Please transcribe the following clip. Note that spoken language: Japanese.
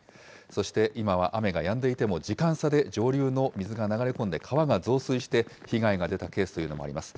そして今は雨がやんでいても、時間差で上流の水が流れ込んで、川が増水して、被害が出たケースというのもあります。